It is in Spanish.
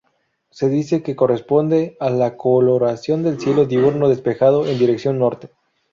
Se dice que corresponde a la coloración del cielo diurno despejado en dirección Norte.